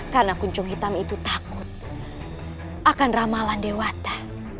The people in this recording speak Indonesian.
karena kunjung hitam itu takut akan ramalan dewata